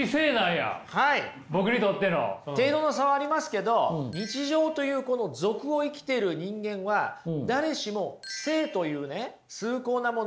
程度の差はありますけど日常というこの俗を生きてる人間は誰しも聖というね崇高なもの